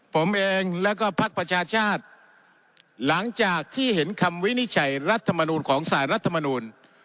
ผมเองแล้วก็พักประชาชาติหลังจากที่เห็นคำวินิจฉัยรัฐมนูลของสารรัฐมนูล